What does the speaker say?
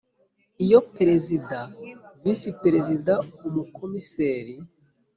Iyo Perezida Visi Perezida Umukomiseri